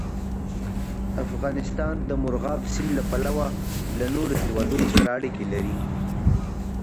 افغانستان د مورغاب سیند له پلوه له نورو هېوادونو سره اړیکې لري.